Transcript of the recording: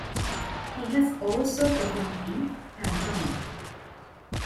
He has also performed in pantomime.